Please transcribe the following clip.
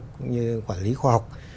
cũng như quản lý khoa học